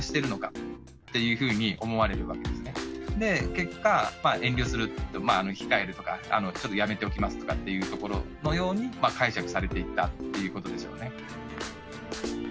結果遠慮する控えるとかちょっとやめておきますとかっていうところのように解釈されていったということでしょうね。